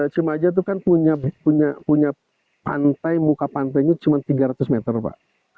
cimaja itu kan punya pantai muka pantainya cuma tiga ratus meter pak